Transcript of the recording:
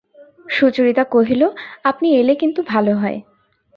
সুচরিতা কহিল, আপনি এলে কিন্তু ভালো হয়।